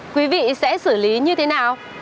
quý vị sẽ xử lý như thế nào